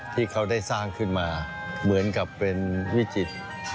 ที่เขาได้สร้างขึ้นมาเหมือนกับเป็นวิจิตร